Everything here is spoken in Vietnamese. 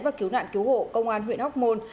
và cứu nạn cứu hộ công an huyện hóc môn